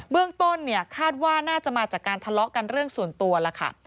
เรื่องต้นเนี่ยคาดว่าน่าจะมาจากการทะเลาะกันเรื่องส่วนตัวแล้วค่ะ